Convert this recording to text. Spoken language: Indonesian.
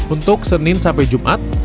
untuk senin sampai jumat